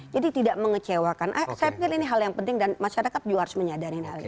jadi tidak mengecewakan saya pikir ini hal yang penting dan masyarakat juga harus menyadarinya